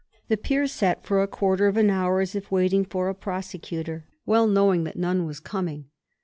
The Peers sat for a quarter of an hour as if waiting for a prosecutor, well knowing that none was coming.